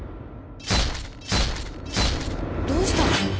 どうしたの？